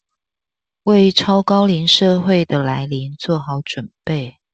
為超高齡社會的來臨做好準備